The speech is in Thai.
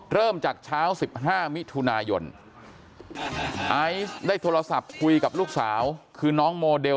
เริ่มจากเช้า๑๕มิถุนายนไอซ์ได้โทรศัพท์คุยกับลูกสาวคือน้องโมเดล